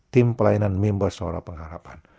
tim pelayanan member seorang pengharapan